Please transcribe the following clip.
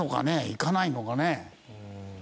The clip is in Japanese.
行かないのかね？